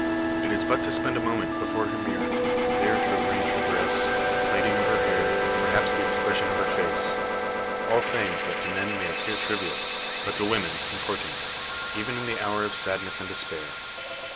It is but to spend a moment before her mirror, there to arrange her dress, the plaiting of her hair perhaps the expression of her face all things that to men may appear trivial, but to women important even in the hour of sadness and despair.